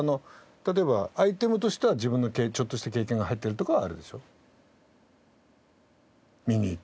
例えばアイテムとしては自分のちょっとした経験が入ってるとかはあるでしょ？